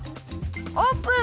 オープン！